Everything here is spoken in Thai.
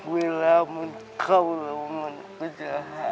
เวลามันเข้านะ